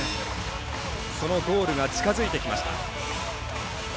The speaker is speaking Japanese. そのゴールが近づいてきました。